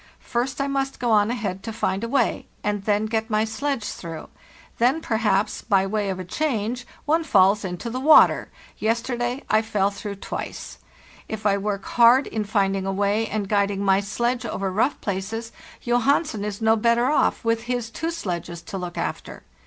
First I must go on ahead to find a way, and then get my sledge through; then, perhaps, by way of a change, one falls into the water; yesterday, I fell through twice. If I work hard in finding a way and eulding my sledge over rough places, Johansen is no better off, with his two sledges to look after.